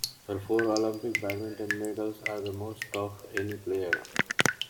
Her four Olympic badminton medals are the most of any player.